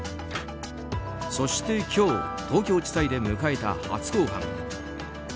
そして今日東京地裁で迎えた初公判。